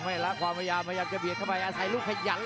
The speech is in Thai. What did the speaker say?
จังหวาดึงซ้ายตายังดีอยู่ครับเพชรมงคล